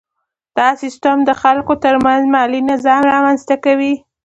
دا سیستم د خلکو ترمنځ مالي نظم رامنځته کوي.